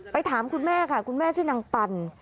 ถามคุณแม่ค่ะคุณแม่ชื่อนางปัน